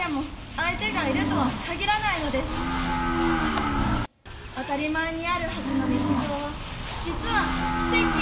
当たり前にあるはずの日常は実は奇跡ともいえるのです。